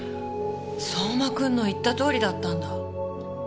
相馬くんの言ったとおりだったんだ。